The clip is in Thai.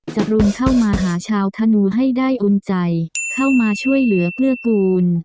จรุนเข้ามาหาชาวธนูให้ได้อุ่นใจเข้ามาช่วยเหลือเกื้อกูล